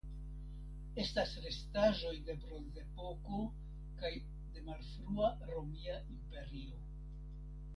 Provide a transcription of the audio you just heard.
Estas restaĵoj de Bronzepoko kaj de malfrua Romia Imperio.